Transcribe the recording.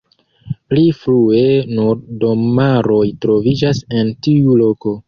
Pli frue nur domaroj troviĝis en tiu loko.